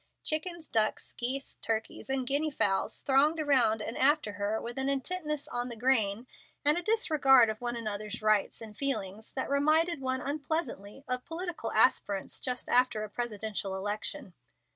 Chickens, ducks, geese, turkeys, and Guinea fowls thronged around and after her with an intentness on the grain and a disregard of one another's rights and feelings that reminded one unpleasantly of political aspirants just after a Presidential election.